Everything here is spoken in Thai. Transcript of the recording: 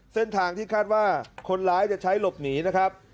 เส้นทางที่คาดว่าคนร้ายจะใช้หลบหนีนะครับ